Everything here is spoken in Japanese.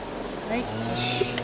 はい。